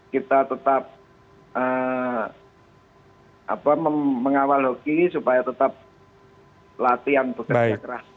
kita tetap mengawal hoki supaya tetap latihan bekerja keras